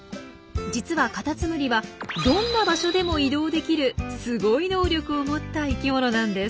実はカタツムリはどんな場所でも移動できるすごい能力を持った生きものなんです。